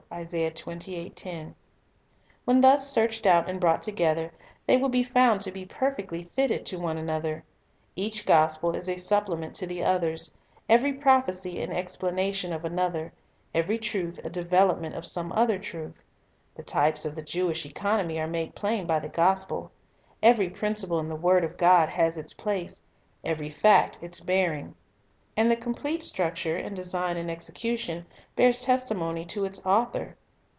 1 When thus searched out and brought together, they will be found to be perfectly fitted to one another. Each Gospel is a supplement to the others, every prophecy an Effort in Bible Study A Perfect Whole 1 Isa. 28 1 10. (123) 124 The Bible as an Ediicator explanation of another, every truth a development of some other truth. The types of the Jewish economy are made plain by the gospel. Every principle in the word of God has its place, every fact its bearing. And the complete structure, in design and execution, bears testimony to its Author.